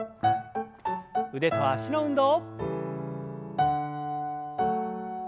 腕と脚の運動。